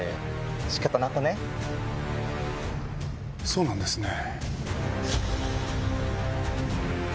そうなんですね。